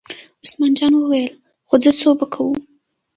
عثمان جان وویل: خو ځه څو به کوو.